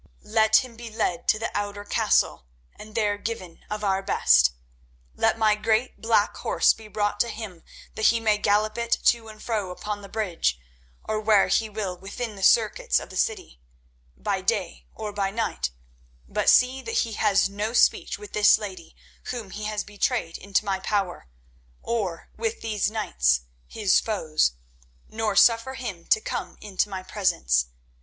Let him be led to the outer castle and there given of our best. Let my great black horse be brought to him that he may gallop it to and fro upon the bridge, or where he will within the circuit of the walls, by day or by night; but see that he has no speech with this lady whom he has betrayed into my power, or with these knights his foes, nor suffer him to come into my presence.